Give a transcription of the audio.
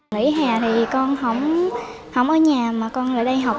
nãy hè thì con không ở nhà mà con ở đây học